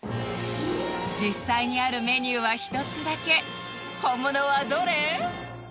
実際にあるメニューは一つだけ本物はどれ？